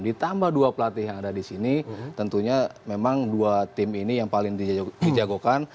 ditambah dua pelatih yang ada di sini tentunya memang dua tim ini yang paling dijagokan